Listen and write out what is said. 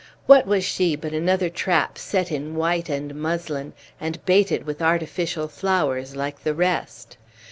What was she but another trap set in white muslin, and baited with artificial flowers, like the rest?